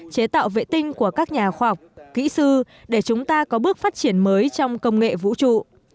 chế tạo vệ tinh của các nhà khoa học kỹ sư để chúng ta có bước phát triển mới trong công nghệ vũ trụ